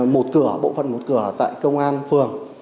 một cửa bộ phận một cửa tại công an phường